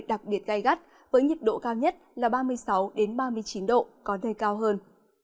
đặc biệt gai gắt với nhiệt độ cao nhất là ba mươi sáu ba mươi chín độ có nơi cao hơn